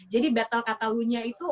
jadi battle katalunya itu